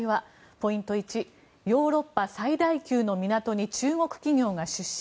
ポイント１ヨーロッパ最大級の港に中国企業が出資。